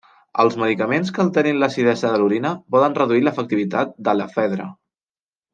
Els medicaments que alterin l'acidesa de l'orina poden reduir l'efectivitat de l'efedra.